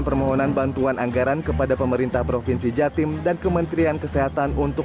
permohonan bantuan anggaran kepada pemerintah provinsi jatim dan kementerian kesehatan untuk